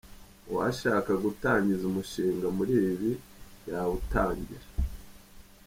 Uwashaka gutangiza umushinga muri ibi yawutangira.